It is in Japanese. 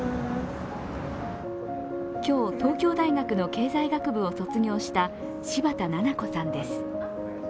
今日、東京大学の経済学部を卒業した柴田菜々子さんです。